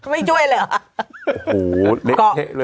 ไม่ช่วยเหรอ